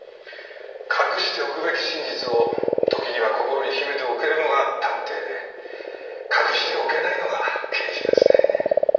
隠しておくべき真実を時には心に秘めておけるのが探偵で隠しておけないのが刑事なんですねえ。